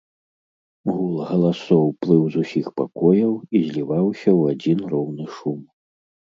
Гул галасоў плыў з усіх пакояў і зліваўся ў адзін роўны шум.